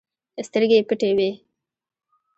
سترګې يې پټې وې.